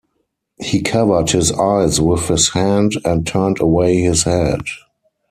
He covered his eyes with his hand and turned away his head.